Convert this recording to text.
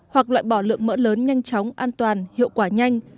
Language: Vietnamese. hoặc loại bỏ lượng mỡ lớn nhanh chóng an toàn hiệu quả nhanh